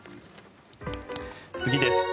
次です。